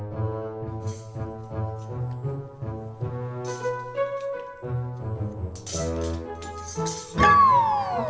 cepetan burung burung nih